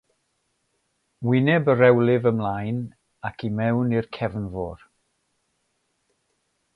Wyneb y rhewlif ymlaen ac i mewn i'r cefnfor.